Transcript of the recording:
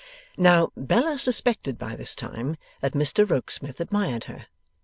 Now, Bella suspected by this time that Mr Rokesmith admired her.